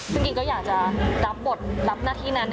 ซึ่งกิ๊กก็อยากจะรับบทรับหน้าที่นั้น